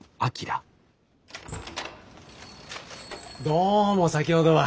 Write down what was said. どうも先ほどは。